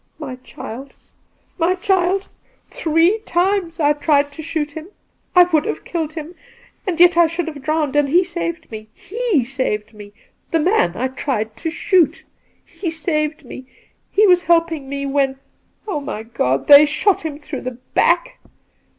• My child ! my child ! three times I tried to shoot him. I would have killed him ; and yet I should have drowned, and he saved me — he saved me — the man I tried to shoot I He saved me— he was helping me, when — oh, my God !— they shot him through the back.